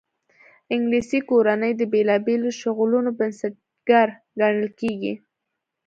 انګلیسي کورنۍ د بېلابېلو شغلونو بنسټګر ګڼل کېږي.